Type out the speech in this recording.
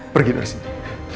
pergi dari sini